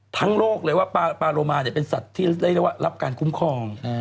ทั้งโลกได้เลยว่าปลาโรมาเป็นสัตว์ที่ได้เรียกว่ารับการคุ้มคลอง